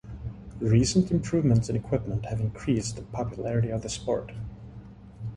Recent improvements in equipment have increased the popularity of the sport.